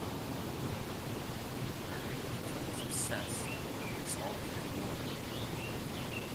Bird becomes obsessed with resolving the war.